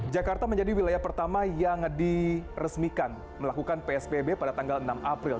jakarta menjadi wilayah pertama yang diresmikan melakukan psbb pada tanggal enam april